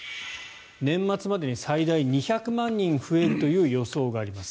年末までに最大２００万人増えるという予想があります。